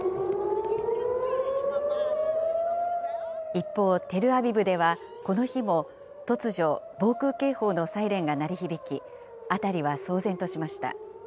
一方、テルアビブでは、この日も突如、防空警報のサイレンが鳴り響き、辺りは騒然としました。